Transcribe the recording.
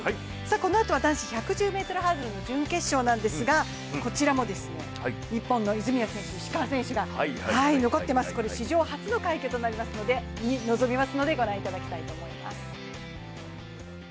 このあとは男子１１０ｍハードルの準決勝なんですがこちらも日本の泉谷選手、石川選手が史上初の快挙で臨みますので、御覧いただきたいと思います。